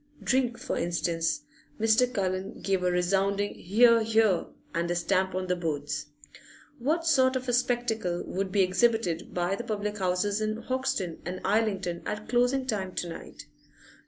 Drink, for instance (Mr. Cullen gave a resounding 'Hear, hear!' and a stamp on the boards). What sort of a spectacle would be exhibited by the public houses in Hoxton and Islington at closing time to night?